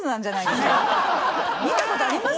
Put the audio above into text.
見たことあります？